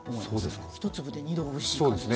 一粒で二度おいしい感じ。